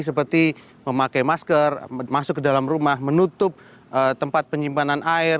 seperti memakai masker masuk ke dalam rumah menutup tempat penyimpanan air